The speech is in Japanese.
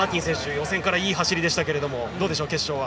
予選からいい走りでしたがどうでしょう、決勝は。